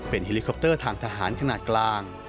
เฮลิคอปเตอร์ทางทหารขนาดกลาง